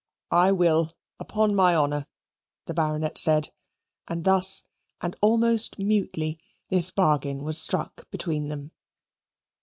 "I will, upon my honour," the Baronet said. And thus, and almost mutely, this bargain was struck between them.